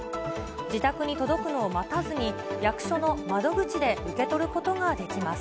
自宅に届くのを待たずに、役所の窓口で受け取ることができます。